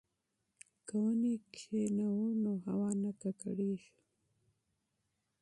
که ونې کښېنوو نو هوا نه ککړیږي.